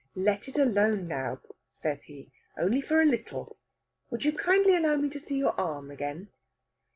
"Let it alone now," said he. "Only for a little. Would you kindly allow me to see your arm again?"